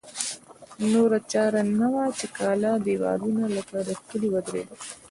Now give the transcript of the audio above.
نوره چاره نه وه چې کاله دېوالونه لکه د کلي ودرېدل.